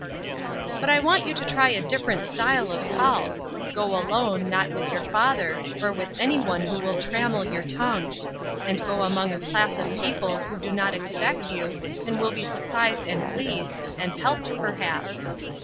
"But I want you to try a different style of calls. Go alone; not with your father, or with anyone who will trammel your tongue; and go among a class of people who do not expect you, and will be surprised and pleased, and helped, perhaps.